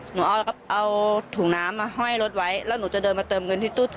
หนูเอาถุงน้ำมาห้อยรถไว้แล้วหนูจะเดินมาเติมเงินที่ตู้